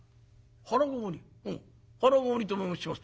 腹籠もりと申しますと？」。